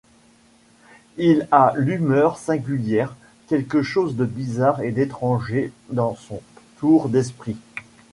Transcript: Il a l'humeur singulière, quelque chose de bizarre et d'étranger dans son tour d'esprit.